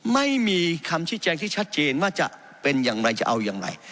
ไม่มีคำชี้แจงที่ชัดเจนว่าจะเป็นอย่างไรจะเอายังไง